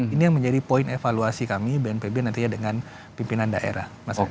ini yang menjadi poin evaluasi kami bnpb nantinya dengan pimpinan daerah